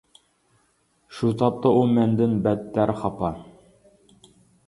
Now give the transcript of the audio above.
شۇ تاپتا ئۇ مەندىن بەتتەر خاپا.